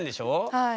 はい。